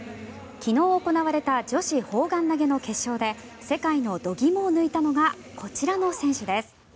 昨日行われた女子砲丸投の決勝で世界の度肝を抜いたのがこちらの選手です。